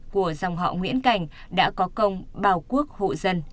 của dòng họ nguyễn cảnh đã có công bào quốc hộ dân